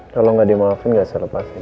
kalo ga di maafin ga usah lepasin